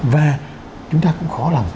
và chúng ta cũng khó lòng